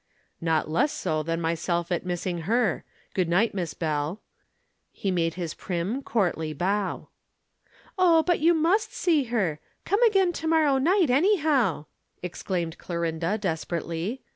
"Not less so than myself at missing her. Good night, Miss Bell." He made his prim, courtly bow. "Oh, but you must see her! Come again to morrow night, anyhow," exclaimed Clorinda desperately.